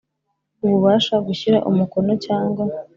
Ububasha gushyira umukono cyangwa